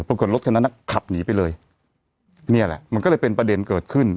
รถคันนั้นอ่ะขับหนีไปเลยเนี่ยแหละมันก็เลยเป็นประเด็นเกิดขึ้น